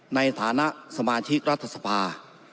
ในฐานะสมาชิกรัฐสภา